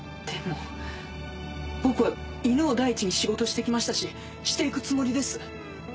でも僕は犬を第一に仕事して来ましたしして行くつもりです。